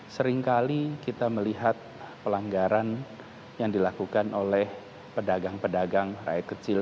seringkali kita melihat pelanggaran yang dilakukan oleh pedagang pedagang rakyat kecil